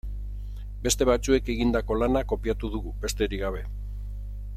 Beste batzuek egindako lana kopiatu dugu, besterik gabe.